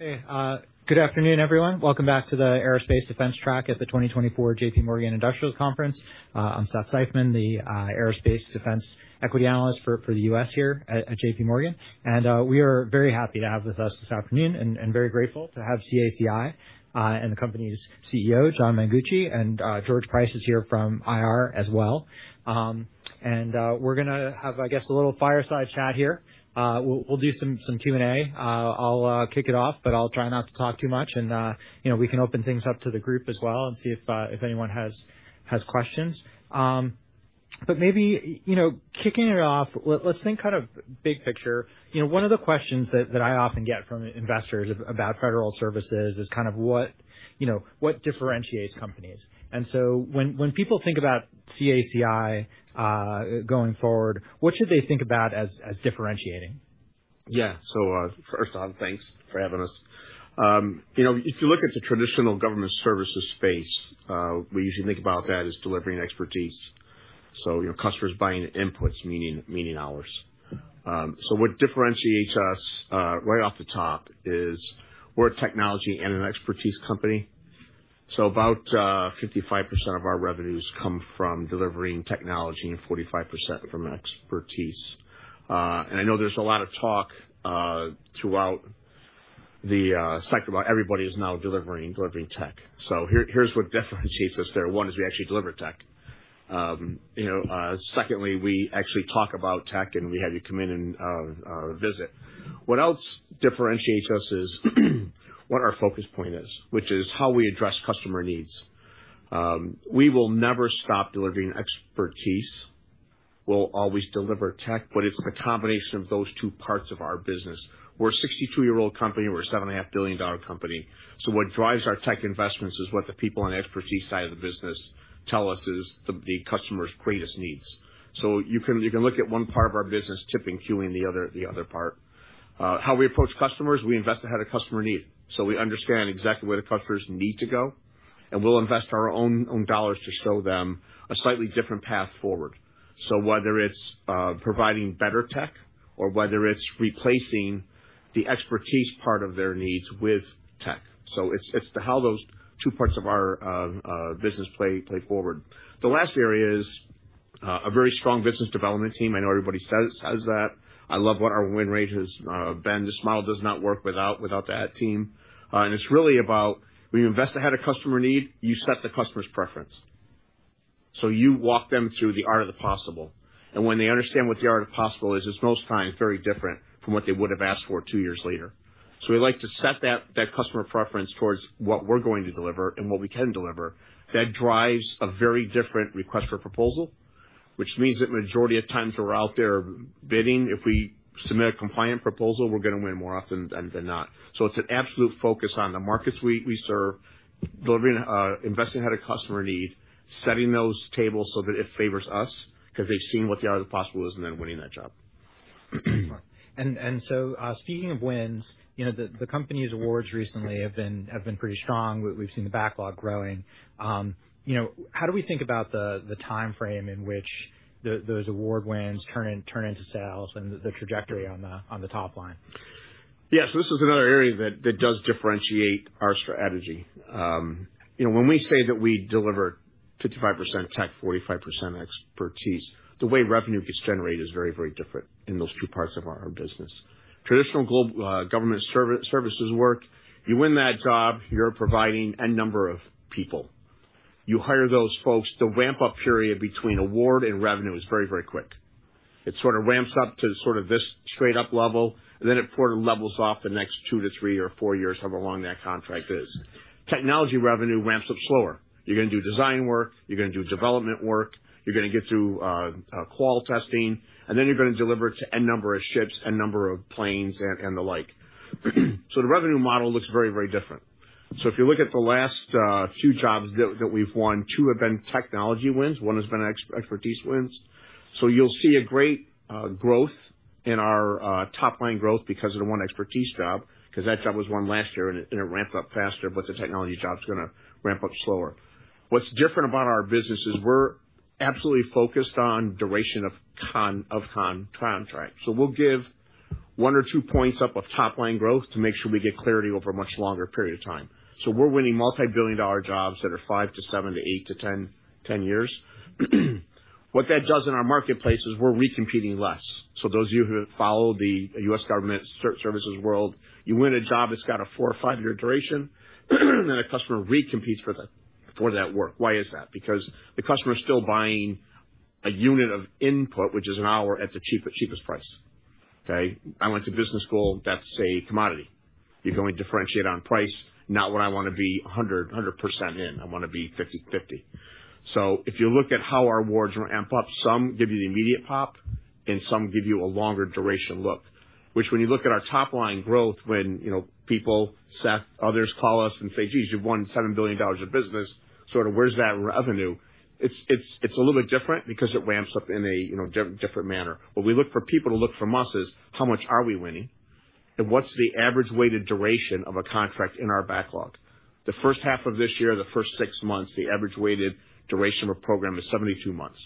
Hey, good afternoon, everyone. Welcome back to the Aerospace Defense Track at the 2024 JPMorgan Industrials Conference. I'm Seth Seifman, the Aerospace Defense Equity Analyst for the US here at JPMorgan. We are very happy to have with us this afternoon and very grateful to have CACI and the company's CEO, John Mengucci, and George Price is here from IR as well. We're gonna have, I guess, a little fireside chat here. We'll do some Q&A. I'll kick it off, but I'll try not to talk too much. You know, we can open things up to the group as well and see if anyone has questions. But maybe, you know, kicking it off, let's think kind of big picture. You know, one of the questions that I often get from investors about federal services is kind of what, you know, what differentiates companies. And so when people think about CACI, going forward, what should they think about as differentiating? Yeah. So, first off, thanks for having us. You know, if you look at the traditional government services space, we usually think about that as delivering expertise. So, you know, customers buying inputs, meaning, meaning ours. So what differentiates us, right off the top, is we're a technology and an expertise company. So about 55% of our revenues come from delivering technology and 45% from expertise. And I know there's a lot of talk, throughout the sector, about everybody is now delivering, delivering tech. So here, here's what differentiates us there. One is we actually deliver tech. You know, secondly, we actually talk about tech, and we have you come in and visit. What else differentiates us is what our focus point is, which is how we address customer needs. We will never stop delivering expertise. We'll always deliver tech, but it's the combination of those two parts of our business. We're a 62-year-old company. We're a $7.5 billion company. So what drives our tech investments is what the people on the expertise side of the business tell us is the customer's greatest needs. So you can look at one part of our business tipping and cueing the other part. How we approach customers, we invest ahead of customer need. So we understand exactly where the customers need to go, and we'll invest our own dollars to show them a slightly different path forward. So whether it's providing better tech or whether it's replacing the expertise part of their needs with tech. So it's the how those two parts of our business play forward. The last area is a very strong business development team. I know everybody says, says that. I love what our win rate has been. This model does not work without, without that team. And it's really about when you invest ahead of customer need, you set the customer's preference. So you walk them through the art of the possible. And when they understand what the art of the possible is, it's most times very different from what they would have asked for two years later. So we like to set that, that customer preference towards what we're going to deliver and what we can deliver. That drives a very different request for proposal, which means that majority of times we're out there bidding. If we submit a compliant proposal, we're gonna win more often than, than not. So it's an absolute focus on the markets we serve, delivering, investing ahead of customer need, setting those tables so that it favors us 'cause they've seen what the art of the possible is and then winning that job. Excellent. And so, speaking of wins, you know, the company's awards recently have been pretty strong. We've seen the backlog growing. You know, how do we think about the timeframe in which those award wins turn into sales and the trajectory on the top line? Yeah. So this is another area that does differentiate our strategy. You know, when we say that we deliver 55% tech, 45% expertise, the way revenue gets generated is very, very different in those two parts of our business. Traditional global government services work, you win that job, you're providing N number of people. You hire those folks. The ramp-up period between award and revenue is very, very quick. It sort of ramps up to sort of this straight-up level, and then it sort of levels off the next two to three or four years however long that contract is. Technology revenue ramps up slower. You're gonna do design work. You're gonna do development work. You're gonna get through qual testing, and then you're gonna deliver to N number of ships, N number of planes, and the like. So the revenue model looks very, very different. So if you look at the last few jobs that we've won, two have been technology wins. One has been expertise wins. So you'll see great growth in our top line growth because of the one expertise job 'cause that job was won last year, and it ramped up faster, but the technology job's gonna ramp up slower. What's different about our business is we're absolutely focused on duration of contract. So we'll give one or two points up of top line growth to make sure we get clarity over a much longer period of time. So we're winning multi-billion-dollar jobs that are five to 10-year. What that does in our marketplace is we're recompeting less. So those of you who have followed the U.S. government services world, you win a job that's got a four or five-year duration, and then a customer recompetes for that, for that work. Why is that? Because the customer's still buying a unit of input, which is an hour, at the cheapest, cheapest price. Okay? I went to business school. That's a commodity. You're going to differentiate on price, not what I wanna be 100% in. I wanna be 50/50. So if you look at how our awards ramp up, some give you the immediate pop, and some give you a longer duration look, which when you look at our top line growth when, you know, people, Seth, others call us and say, "Geez, you've won $7 billion of business. So where's that revenue?" It's a little bit different because it ramps up in a, you know, different manner. What we look for people to look from us is how much are we winning, and what's the average weighted duration of a contract in our backlog. The first half of this year, the first six months, the average weighted duration of a program is 72 months.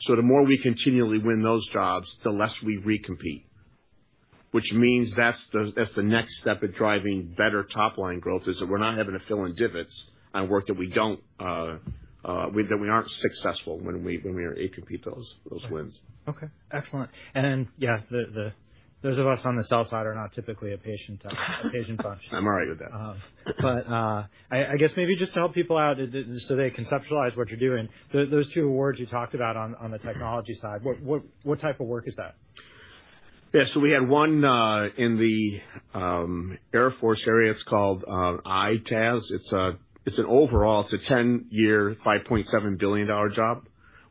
So the more we continually win those jobs, the less we recompete, which means that's the next step at driving better top line growth is that we're not having to fill in divots on work that we aren't successful when we recompete those wins. Okay. Excellent. And then, yeah, those of us on the sell side are not typically a patient bunch. I'm all right with that. I guess maybe just to help people out, so they conceptualize what you're doing, those two awards you talked about on the technology side, what type of work is that? Yeah. So we had one in the Air Force area. It's called EITaaS. It's an overall 10-year, $5.7 billion job.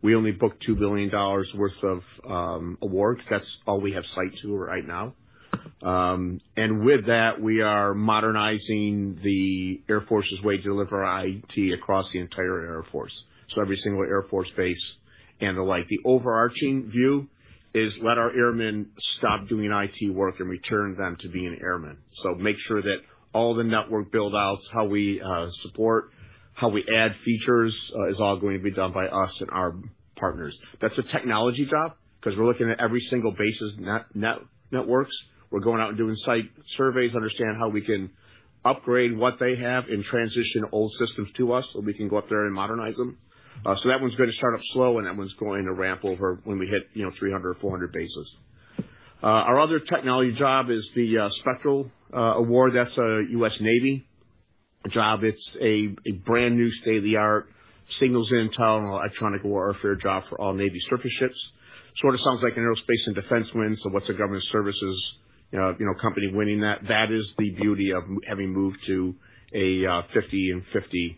We only booked $2 billion worth of awards. That's all we have sight to right now. And with that, we are modernizing the Air Force's way to deliver IT across the entire Air Force, so every single Air Force base and the like. The overarching view is let our airmen stop doing IT work and return them to being airmen. So make sure that all the network build-outs, how we support, how we add features, is all going to be done by us and our partners. That's a technology job 'cause we're looking at every single base's networks. We're going out and doing site surveys, understand how we can upgrade what they have and transition old systems to us so we can go up there and modernize them. So that one's gonna start up slow, and that one's going to ramp over when we hit, you know, 300 or 400 bases. Our other technology job is the Spectral award. That's a U.S. Navy job. It's a brand new state-of-the-art signals intel and electronic warfare job for all Navy surface ships. Sort of sounds like an aerospace and defense win. So what's a government services, you know, you know, company winning that? That is the beauty of our having moved to a 50 and 50%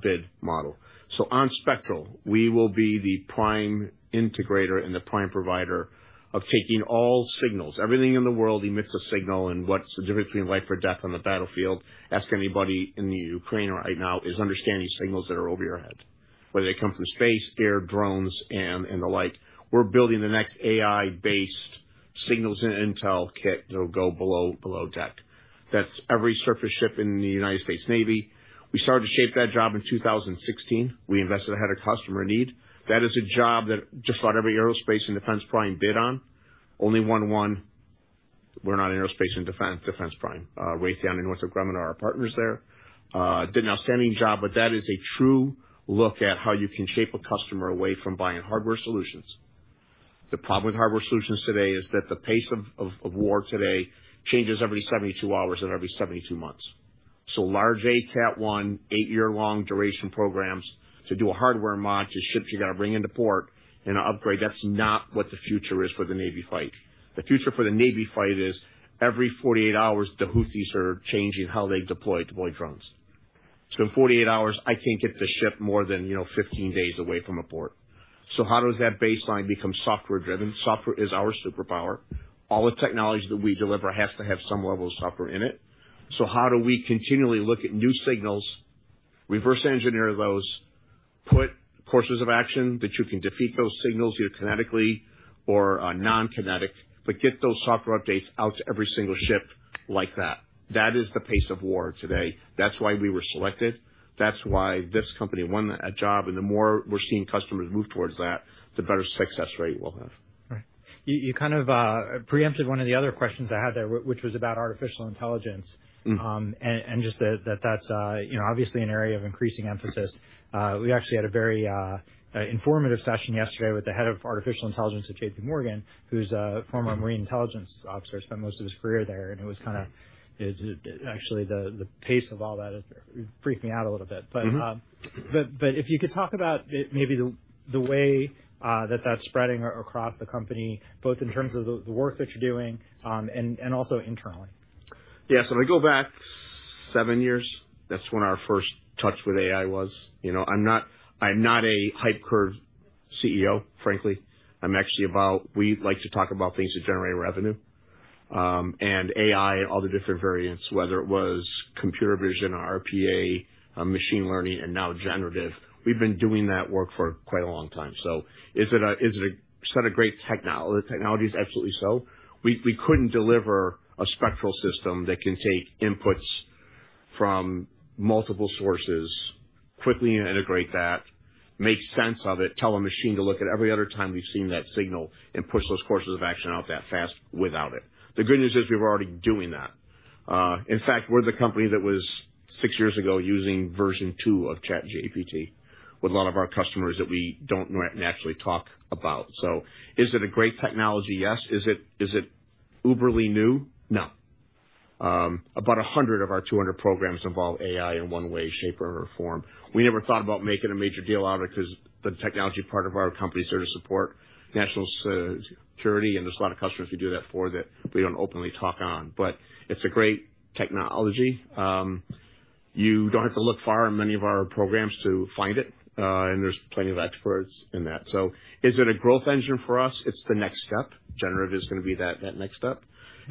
bid model. So on Spectral, we will be the prime integrator and the prime provider of taking all signals. Everything in the world emits a signal, and what's the difference between life or death on the battlefield? Ask anybody in the Ukraine right now is understand these signals that are over your head, whether they come from space, air, drones, and, and the like. We're building the next AI-based signals and intel kit that'll go below, below deck. That's every surface ship in the United States Navy. We started to shape that job in 2016. We invested ahead of customer need. That is a job that just about every aerospace and defense prime bid on. Only one won. We're not an aerospace and defense, defense prime. Raytheon and Northrop Grumman are our partners there. Did an outstanding job, but that is a true look at how you can shape a customer away from buying hardware solutions. The problem with hardware solutions today is that the pace of war today changes every 72 hours and every 72 months. So large ACAT-1, 8-year-long duration programs to do a hardware mod to ship that you gotta bring into port and an upgrade, that's not what the future is for the Navy fight. The future for the Navy fight is every 48 hours, the Houthis are changing how they deploy drones. So in 48 hours, I can't get the ship more than, you know, 15 days away from a port. So how does that baseline become software-driven? Software is our superpower. All the technology that we deliver has to have some level of software in it. So how do we continually look at new signals, reverse engineer those, put courses of action that you can defeat those signals either kinetically or non-kinetic, but get those software updates out to every single ship like that? That is the pace of war today. That's why we were selected. That's why this company won that job. And the more we're seeing customers move towards that, the better success rate we'll have. Right. You kind of preempted one of the other questions I had there, which was about artificial intelligence and just that that's, you know, obviously an area of increasing emphasis. We actually had a very informative session yesterday with the head of artificial intelligence at JPMorgan, who's a former Marine intelligence officer, spent most of his career there. And it was kinda it actually the pace of all that freaked me out a little bit. But if you could talk about it, maybe the way that that's spreading across the company, both in terms of the work that you're doing, and also internally. So if I go back seven years, that's when our first touch with AI was. You know, I'm not a hype-curved CEO, frankly. I'm actually about we like to talk about things that generate revenue. And AI and all the different variants, whether it was computer vision, RPA, machine learning, and now generative, we've been doing that work for quite a long time. So is it a, is it a set of great technologies? Absolutely so. We, we couldn't deliver a Spectral system that can take inputs from multiple sources, quickly integrate that, make sense of it, tell a machine to look at every other time we've seen that signal, and push those courses of action out that fast without it. The good news is we're already doing that. In fact, we're the company that was, six years ago, using version two of ChatGPT with a lot of our customers that we don't naturally talk about. So is it a great technology? Yes. Is it, is it utterly new? No. About 100 of our 200 programs involve AI in one way, shape, or form. We never thought about making a major deal out of it 'cause the technology part of our company, service support, national security, and there's a lot of customers we do that for that we don't openly talk on. But it's a great technology. You don't have to look far in many of our programs to find it, and there's plenty of experts in that. So is it a growth engine for us? It's the next step. Generative is gonna be that, that next step.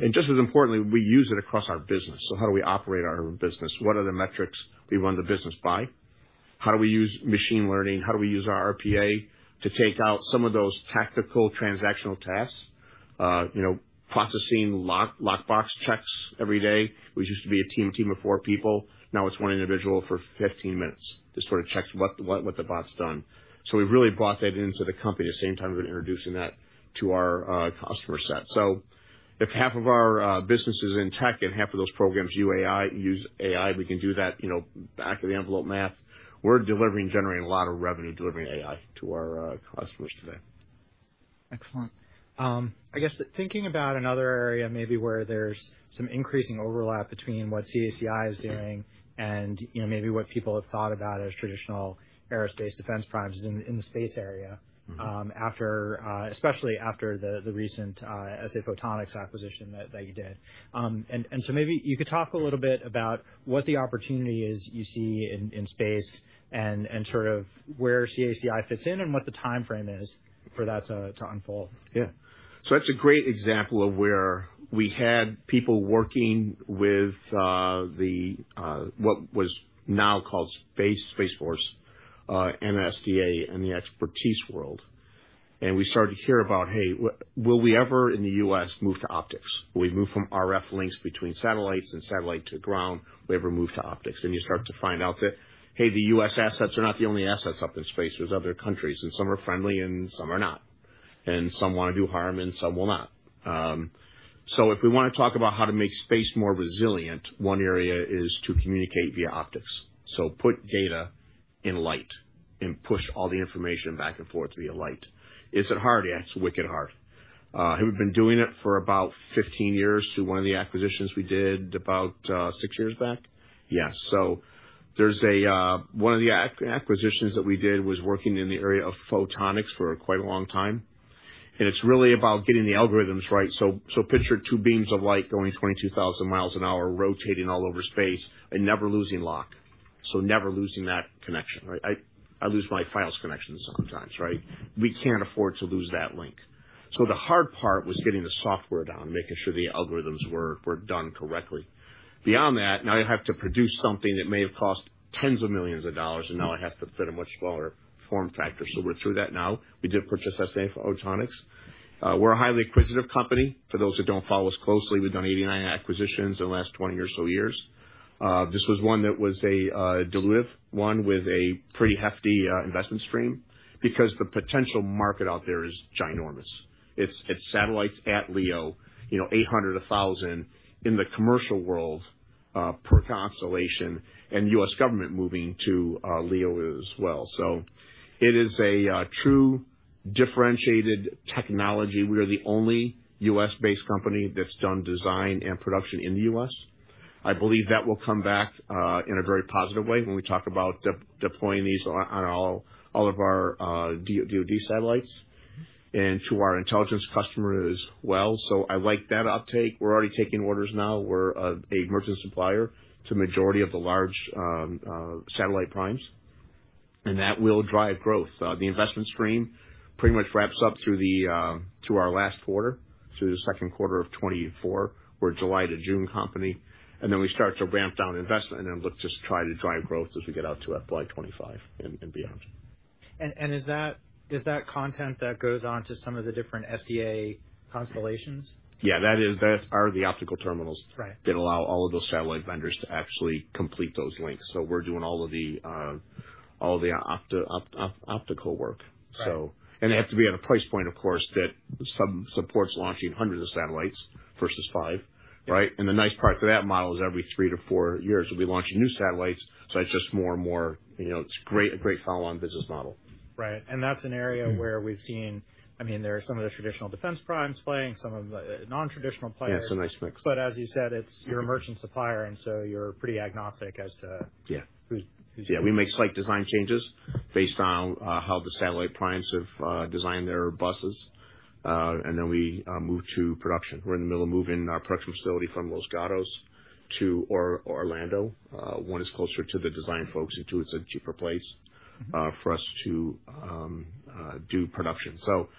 And just as importantly, we use it across our business. So how do we operate our business? What are the metrics we run the business by? How do we use machine learning? How do we use our RPA to take out some of those tactical transactional tasks, you know, processing lockbox checks every day? We used to be a team of four people. Now it's one individual for 15 minutes that sort of checks what the bot's done. So we really brought that into the company at the same time we were introducing that to our customer set. So if half of our business is in tech and half of those programs use AI, we can do that, you know, back of the envelope math. We're delivering, generating a lot of revenue delivering AI to our customers today. Excellent. I guess thinking about another area maybe where there's some increasing overlap between what CACI is doing and, you know, maybe what people have thought about as traditional aerospace defense primes is in the space area. After, especially after the recent SA Photonics acquisition that you did. And so maybe you could talk a little bit about what the opportunity is you see in space and sort of where CACI fits in and what the timeframe is for that to unfold. Yeah. So that's a great example of where we had people working with the what was now called Space Force, SDA in the expertise world. And we started to hear about, "Hey, will we ever in the U.S. move to optics? Will we move from RF links between satellites and satellite to the ground? Will we ever move to optics?" And you start to find out that, hey, the U.S. assets are not the only assets up in space. There's other countries, and some are friendly, and some are not. And some wanna do harm, and some will not. So if we wanna talk about how to make space more resilient, one area is to communicate via optics. So put data in light and push all the information back and forth via light. Is it hard? Yeah. It's wicked hard. Have we been doing it for about 15 years? So one of the acquisitions we did about six years back? Yeah. So there's a one of the acquisitions that we did was working in the area of photonics for quite a long time. And it's really about getting the algorithms right. So picture two beams of light going 22,000 miles an hour, rotating all over space, and never losing lock, so never losing that connection. Right? I lose my Wi-Fi connection sometimes. Right? We can't afford to lose that link. So the hard part was getting the software down, making sure the algorithms were done correctly. Beyond that, now you have to produce something that may have cost $10s of millions, and now it has to fit a much smaller form factor. So we're through that now. We did purchase SA Photonics. We're a highly acquisitive company. For those that don't follow us closely, we've done 89 acquisitions in the last 20 or so years. This was one that was a dilutive one with a pretty hefty investment stream because the potential market out there is ginormous. It's satellites at LEO, you know, 800, 1,000 in the commercial world, per constellation, and U.S. government moving to LEO as well. So it is a true differentiated technology. We are the only U.S.-based company that's done design and production in the U.S. I believe that will come back in a very positive way when we talk about deploying these on all of our DoD satellites and to our intelligence customers as well. So I like that uptake. We're already taking orders now. We're a merchant supplier to the majority of the large satellite primes. And that will drive growth. The investment stream pretty much wraps up through our last quarter, through the Q2 of 2024. We're a July to June company. And then we start to ramp down investment and then look just try to drive growth as we get out to FY 2025 and beyond. Is that content that goes onto some of the different SDA constellations? Yeah. That are the optical terminals. Right. That allow all of those satellite vendors to actually complete those links. So we're doing all of the opto-optical work. Right. So, and it has to be at a price point, of course, that somehow supports launching hundreds of satellites versus five. Right? And the nice part to that model is every three-four years, we launch new satellites. So it's just more and more, you know, it's great, a great follow-on business model. Right. That's an area where we've seen, I mean, there are some of the traditional defense primes playing, some of the non-traditional players. Yeah. It's a nice mix. As you said, you're a merchant supplier, and so you're pretty agnostic as to. Yeah. Who's doing it? Yeah. We make satellite design changes based on how the satellite primes have designed their buses, and then we move to production. We're in the middle of moving our production facility from Los Gatos to Orlando. One is closer to the design folks, and two, it's a cheaper place for us to do production. So,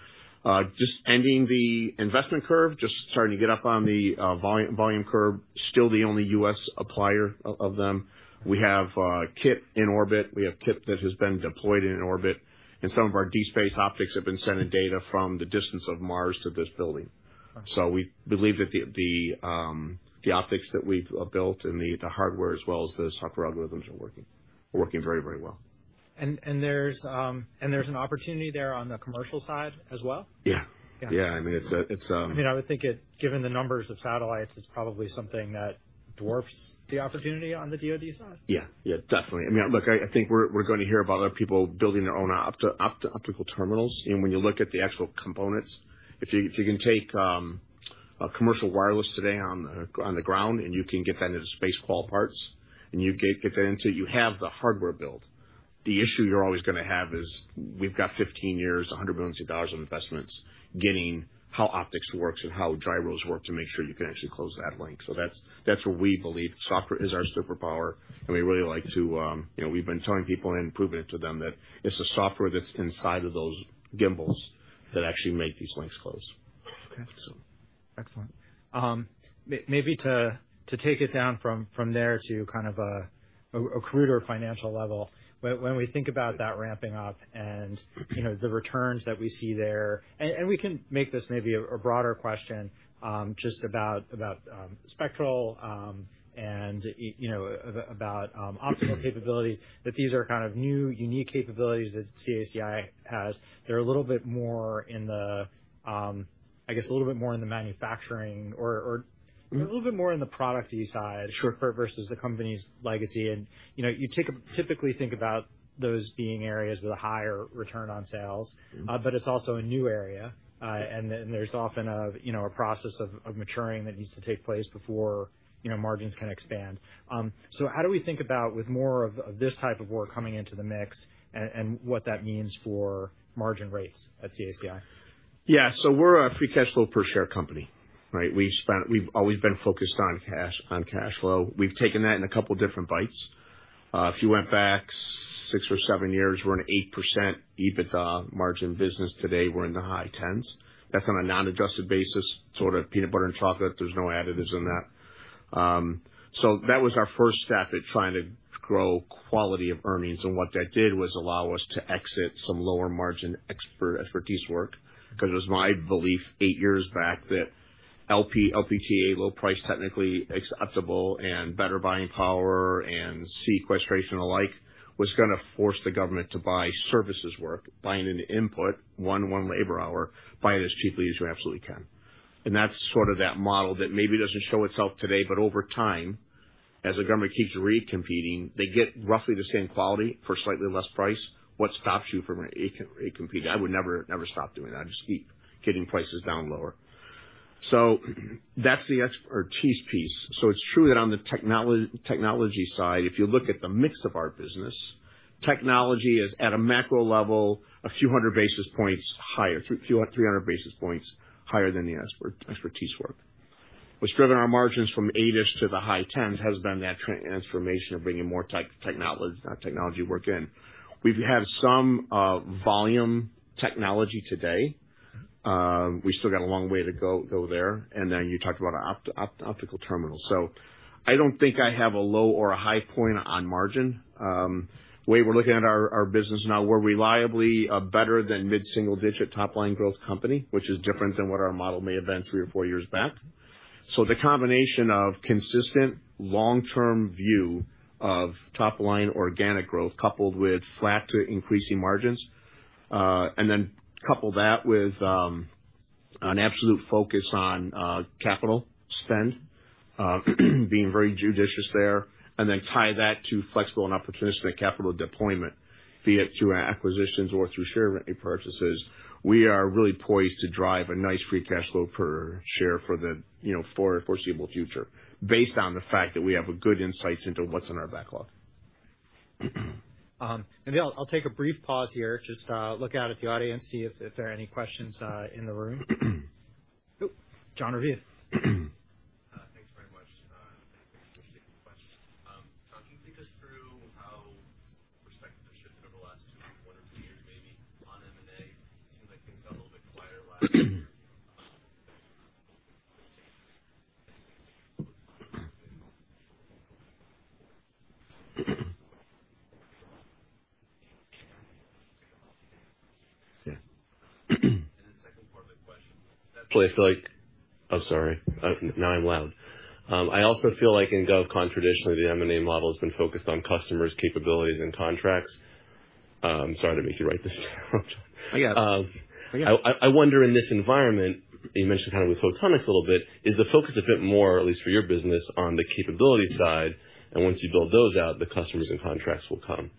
just ending the investment curve, just starting to get up on the volume curve, still the only US supplier of them. We have kit in orbit. We have kit that has been deployed in orbit. And some of our deep space optics have been sending data from the distance of Mars to this building. Okay. So we believe that the optics that we've built and the hardware as well as the software algorithms are working very, very well. And there's an opportunity there on the commercial side as well? Yeah. Yeah. Yeah. I mean, it's a. I mean, I would think it given the numbers of satellites, it's probably something that dwarfs the opportunity on the DOD side. Yeah. Yeah. Definitely. I mean, look, I think we're gonna hear about other people building their own optical terminals. And when you look at the actual components, if you can take a commercial wireless today on the ground, and you can get that into space-qualified parts, and you get that into, you have the hardware built, the issue you're always gonna have is we've got 15 years, $100 million of investments getting how optics works and how lasers work to make sure you can actually close that link. So that's where we believe software is our superpower. And we really like to, you know, we've been telling people and proving it to them that it's the software that's inside of those gimbals that actually make these links close. Okay. So. Excellent. Maybe to take it down from there to kind of a cruder financial level, when we think about that ramping up and, you know, the returns that we see there and we can make this maybe a broader question, just about Spectral, and, you know, about optical capabilities, that these are kind of new, unique capabilities that CACI has. They're a little bit more in the, I guess, a little bit more in the manufacturing or. A little bit more in the product-y side. Sure. Versus the company's legacy. And, you know, you typically think about those being areas with a higher return on sales. But it's also a new area. And then there's often a, you know, a process of maturing that needs to take place before, you know, margins can expand. So how do we think about with more of this type of work coming into the mix and what that means for margin rates at CACI? So we're a free cash flow per share company. Right? We've always been focused on cash, on cash flow. We've taken that in a couple different bites. If you went back six or seven years, we're an 8% EBITDA margin business. Today, we're in the high 10s. That's on a non-adjusted basis, sort of peanut butter and chocolate. There's no additives in that. So that was our first step at trying to grow quality of earnings. And what that did was allow us to exit some lower-margin expertise work 'cause it was my belief eight years back that LP, LPTA, low price technically acceptable and better buying power and sequestration alike was gonna force the government to buy services work, buying an input, one labor hour, buy it as cheaply as you absolutely can. And that's sort of that model that maybe doesn't show itself today, but over time, as the government keeps recompeting, they get roughly the same quality for slightly less price. What stops you from recompeting? I would never, never stop doing that. I'd just keep getting prices down lower. So that's the expertise piece. So it's true that on the technology side, if you look at the mix of our business, technology is at a macro level a few hundred basis points higher, 300 basis points higher than the expertise work. What's driven our margins from 8-ish to the high 10s has been that transformation of bringing more technology work in. We've had some volume technology today. We still got a long way to go there. And then you talked about optical terminals. So I don't think I have a low or a high point on margin. The way we're looking at our business now, we're reliably better than mid-single-digit top-line growth company, which is different than what our model may have been three or four years back. So the combination of consistent long-term view of top-line organic growth coupled with flat to increasing margins, and then couple that with an absolute focus on capital spend, being very judicious there, and then tie that to flexible and opportunistic capital deployment, be it through acquisitions or through share repurchases, we are really poised to drive a nice free cash flow per share for the, you know, foreseeable future based on the fact that we have good insights into what's in our backlog. Maybe I'll take a brief pause here, just look out at the audience, see if there are any questions in the room. John Raviv. Thanks very much. Thanks for taking the question. Talking to us through how perspectives have shifted over the last two weeks, one or two years maybe on M&A, it seems like things got a little bit quieter last year. Yeah. And then second part of the question. Actually, I feel like, oh, sorry. Now I'm loud. I also feel like in GovCon, traditionally, the M&A model has been focused on customers' capabilities and contracts. Sorry to make you write this down, John. I got it. I wonder in this environment you mentioned kind of with photonics a little bit is the focus a bit more, at least for your business, on the capability side, and once you build those out, the customers and contracts will come?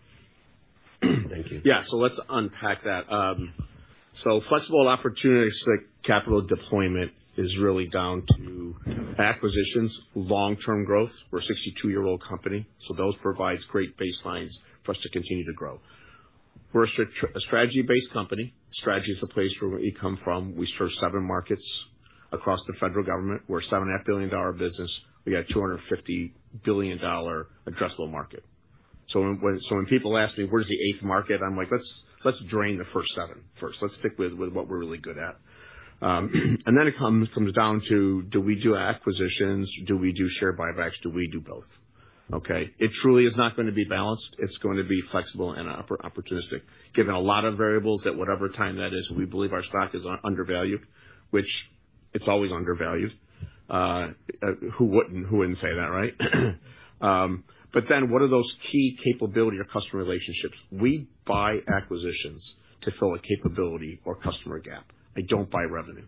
Thank you. Yeah. So let's unpack that. So flexible and opportunistic capital deployment is really down to acquisitions, long-term growth. We're a 62-year-old company, so those provide great baselines for us to continue to grow. We're a strategy-based company. Strategy is the place from where we come from. We serve seven markets across the federal government. We're a $7.5 billion business. We got a $250 billion addressable market. So when people ask me, "Where's the eighth market?" I'm like, "Let's drain the first seven first. Let's stick with what we're really good at." And then it comes down to, do we do acquisitions? Do we do share buybacks? Do we do both? Okay? It truly is not gonna be balanced. It's gonna be flexible and opportunistic given a lot of variables that whatever time that is. We believe our stock is undervalued, which it's always undervalued. Who wouldn't who wouldn't say that? Right? But then what are those key capability or customer relationships? We buy acquisitions to fill a capability or customer gap. I don't buy revenue.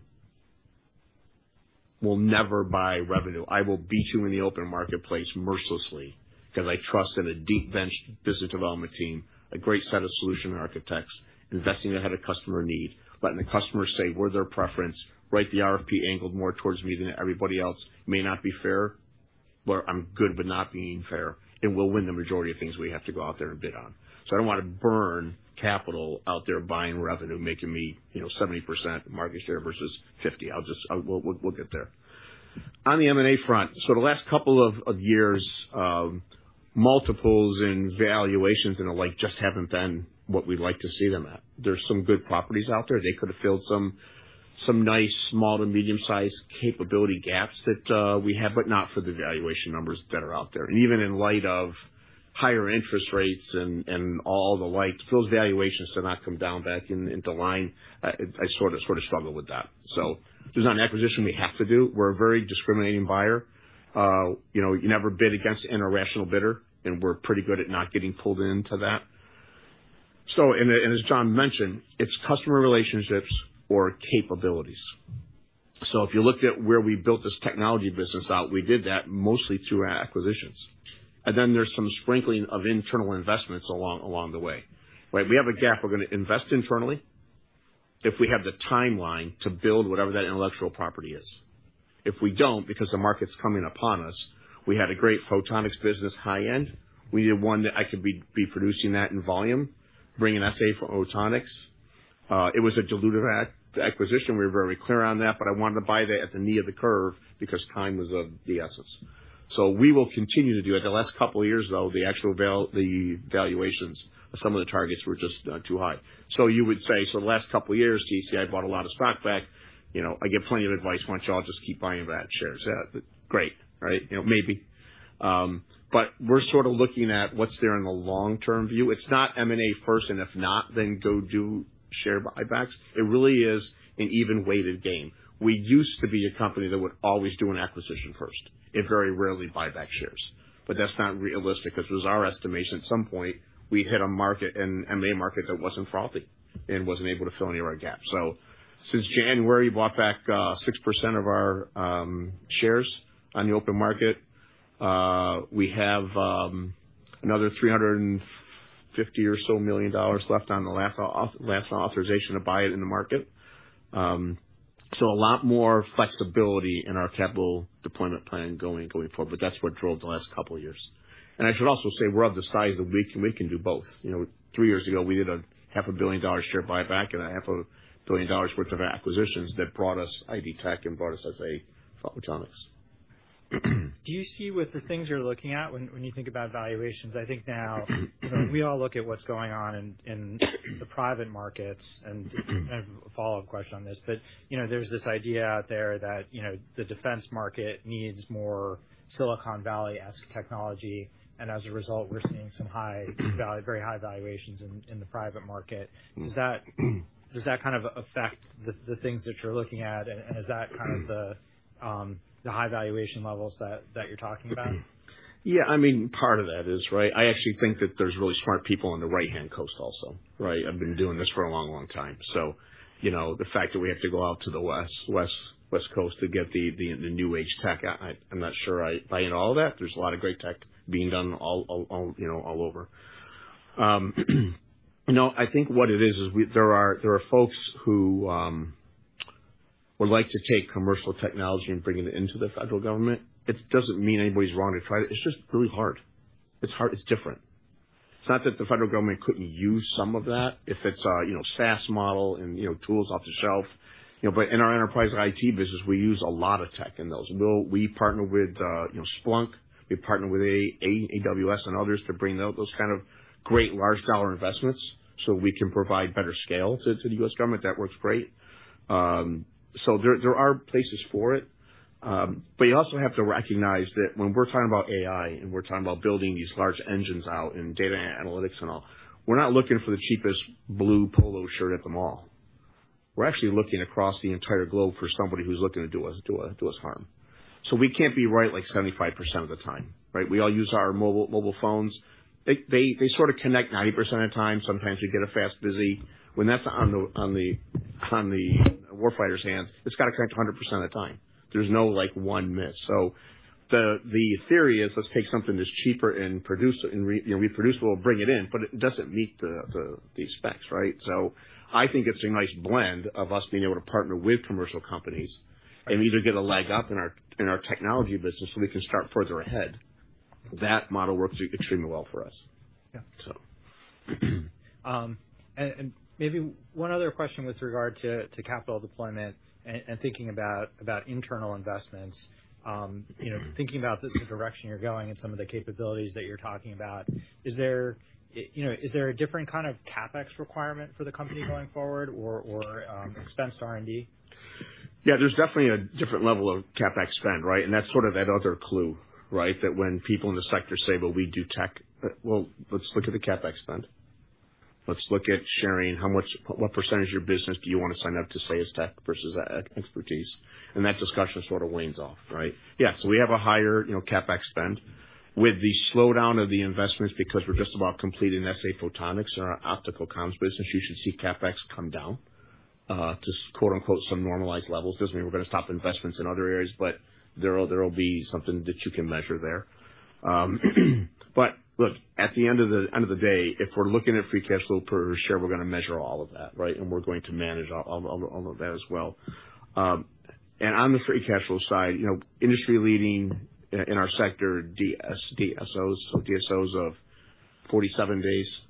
We'll never buy revenue. I will beat you in the open marketplace mercilessly 'cause I trust in a deep-benched business development team, a great set of solution architects, investing ahead of customer need, letting the customers say we're their preference, right? The RFP angled more towards me than everybody else may not be fair, but I'm good but not being fair, and we'll win the majority of things we have to go out there and bid on. So I don't wanna burn capital out there buying revenue, making me, you know, 70% market share versus 50. I'll just we'll, we'll, we'll get there. On the M&A front, so the last couple of years, multiples and valuations and the like just haven't been what we'd like to see them at. There's some good properties out there. They could have filled some nice small to medium-sized capability gaps that we have but not for the valuation numbers that are out there. And even in light of higher interest rates and all the like, those valuations do not come down back into line. I sorta struggle with that. So there's not an acquisition we have to do. We're a very discriminating buyer. You know, you never bid against an irrational bidder, and we're pretty good at not getting pulled into that. So, as John mentioned, it's customer relationships or capabilities. So if you looked at where we built this technology business out, we did that mostly through our acquisitions. And then there's some sprinkling of internal investments along the way. Right? We have a gap. We're gonna invest internally if we have the timeline to build whatever that intellectual property is. If we don't because the market's coming upon us, we had a great photonics business, high-end. We needed one that I could be producing that in volume, bringing SA Photonics. It was a dilutive acquisition. We were very clear on that, but I wanted to buy that at the knee of the curve because time was of the essence. So we will continue to do it. The last couple of years, though, the actual valuations of some of the targets were just too high. So you would say, "So the last couple of years, CACI bought a lot of stock back. You know, I get plenty of advice. Why don't y'all just keep buying that shares?" Yeah. Great. Right? You know, maybe. But we're sorta looking at what's there in the long-term view. It's not M&A first, and if not, then go do share buybacks. It really is an even-weighted game. We used to be a company that would always do an acquisition first and very rarely buy back shares. But that's not realistic 'cause it was our estimation at some point, we hit a market, an M&A market that wasn't fraught and wasn't able to fill any of our gaps. So since January, we bought back 6% of our shares on the open market. We have another $350 million or so left on the last authorization to buy it in the market. So a lot more flexibility in our capital deployment plan going, going forward. But that's what drove the last couple of years. And I should also say we're of a size where we can do both. You know, three years ago, we did a $500 million share buyback and a $500 million worth of acquisitions that brought us ID Tech and brought us SA Photonics. Do you see with the things you're looking at when, when you think about valuations? I think now, you know, we all look at what's going on in, in the private markets and kind of a follow-up question on this. But, you know, there's this idea out there that, you know, the defense market needs more Silicon Valley-esque technology. And as a result, we're seeing some high, very high valuations in, in the private market. Does that kind of affect the things that you're looking at? And is that kind of the high valuation levels that you're talking about? Yeah. I mean, part of that is right. I actually think that there's really smart people on the right-hand coast also. Right? I've been doing this for a long, long time. So, you know, the fact that we have to go out to the west, west, west coast to get the, the, the new-age tech, I, I, I'm not sure I buy into all of that. There's a lot of great tech being done all, all, all, you know, all over. You know, I think what it is is we there are there are folks who would like to take commercial technology and bring it into the federal government. It doesn't mean anybody's wrong to try to. It's just really hard. It's hard. It's different. It's not that the federal government couldn't use some of that if it's a, you know, SaaS model and, you know, tools off the shelf. You know, but in our enterprise IT business, we use a lot of tech in those. We partner with, you know, Splunk. We partner with AWS and others to bring those kind of great large-dollar investments so we can provide better scale to the U.S. government. That works great. So there are places for it. But you also have to recognize that when we're talking about AI and we're talking about building these large engines out and data analytics and all, we're not looking for the cheapest blue polo shirt at the mall. We're actually looking across the entire globe for somebody who's looking to do us harm. So we can't be right like 75% of the time. Right? We all use our mobile phones. They sorta connect 90% of the time. Sometimes we get a fast busy. When that's on the warfighters' hands, it's gotta connect 100% of the time. There's no, like, one miss. So the theory is, "Let's take something that's cheaper and produce it and, you know, reproducible, bring it in," but it doesn't meet the specs. Right? So I think it's a nice blend of us being able to partner with commercial companies and either get a leg up in our technology business so we can start further ahead. That model works extremely well for us. and maybe one other question with regard to capital deployment and thinking about internal investments, you know, thinking about the direction you're going and some of the capabilities that you're talking about, is there, you know, is there a different kind of CapEx requirement for the company going forward or expense to R&D? Yeah. There's definitely a different level of CapEx spend. Right? And that's sorta that other clue. Right? That when people in the sector say, "Well, we do tech," "Well, let's look at the CapEx spend. Let's look at sharing how much what percentage of your business do you wanna sign up to as tech versus expertise?" And that discussion sorta wanes off. Right? Yeah. So we have a higher, you know, CapEx spend. With the slowdown of the investments because we're just about completing SA Photonics and our optical comms business, you should see CapEx come down, to "some normalized levels." Doesn't mean we're gonna stop investments in other areas, but there'll be something that you can measure there. But look, at the end of the end of the day, if we're looking at free cash flow per share, we're gonna measure all of that. Right? We're going to manage all of that as well. And on the free cash flow side, you know, industry-leading in our sector, DSOs of 47 days,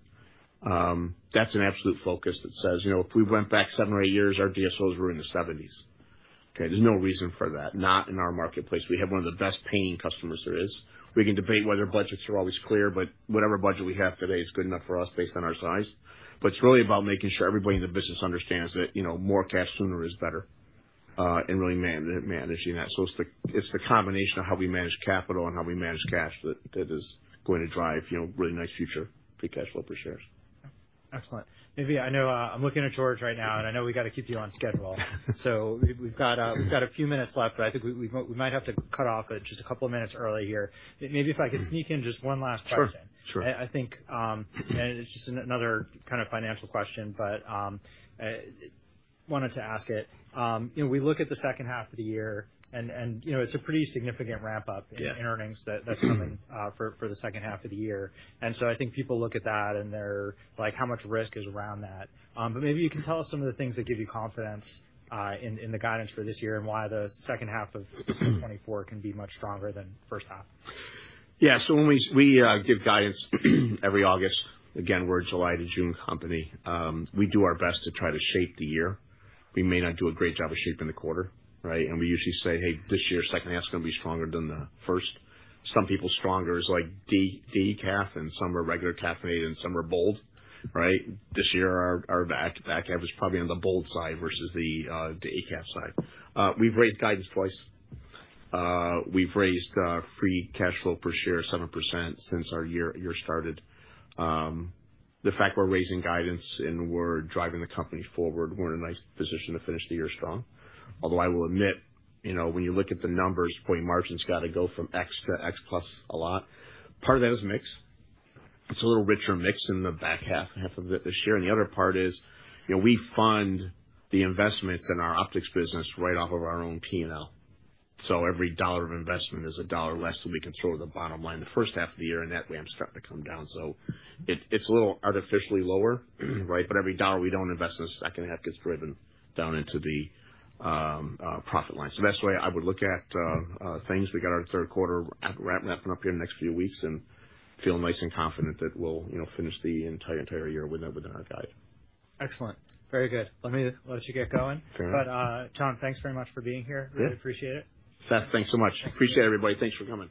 that's an absolute focus that says, you know, "If we went back seven or eight years, our DSOs were in the 70s." Okay? There's no reason for that, not in our marketplace. We have one of the best-paying customers there is. We can debate whether budgets are always clear, but whatever budget we have today is good enough for us based on our size. But it's really about making sure everybody in the business understands that, you know, more cash sooner is better, in really man-managing that. So it's the combination of how we manage capital and how we manage cash that is going to drive, you know, a really nice future free cash flow per shares. Yeah. Excellent. Navy, I know, I'm looking at George right now, and I know we got to keep you on schedule. So we've got a few minutes left, but I think we might have to cut it off just a couple of minutes early here. Maybe if I could sneak in just one last question. Sure. I think, and it's just another kind of financial question, but wanted to ask it. You know, we look at the H2 of the year, and you know, it's a pretty significant ramp-up in earnings that's coming for the H2 of the year. And so I think people look at that, and they're like, "How much risk is around that?" but maybe you can tell us some of the things that give you confidence in the guidance for this year and why the H2 of 2024 can be much stronger than H1. Yeah. So when we give guidance every August - again, we're a July to June company - we do our best to try to shape the year. We may not do a great job of shaping the quarter. Right? And we usually say, "Hey, this year, H2's gonna be stronger than the first." Some people, stronger is like decaf, and some are regular caf and A, and some are bold. Right? This year, our back cap is probably on the bold side versus the A cap side. We've raised guidance twice. We've raised free cash flow per share 7% since our year started. The fact we're raising guidance and we're driving the company forward, we're in a nice position to finish the year strong. Although I will admit, you know, when you look at the numbers, the point margin's gotta go from X to X plus a lot. Part of that is a mix. It's a little richer mix in the back half, half of this year. And the other part is, you know, we fund the investments in our optics business right off of our own P&L. So every dollar of investment is a dollar less that we can throw to the bottom line the H1 of the year, and that ramp's starting to come down. So it's a little artificially lower. Right? But every dollar we don't invest in the H2 gets driven down into the profit line. So that's the way I would look at things. We got our Q3 wrapping up here in the next few weeks and feeling nice and confident that we'll, you know, finish the entire year within our guide. Excellent. Very good. Let me let you get going. Fair enough. John, thanks very much for being here. Yeah. Really appreciate it. Seth, thanks so much. Appreciate it, everybody. Thanks for coming.